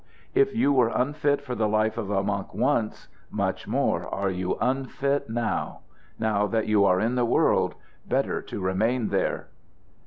If you were unfit for the life of a monk once, much more are you unfit now. Now that you are in the world, better to remain there."